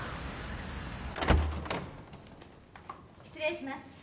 失礼します。